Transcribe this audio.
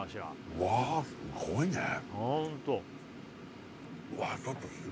うわすごいえ